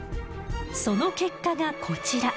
その結果がこちら。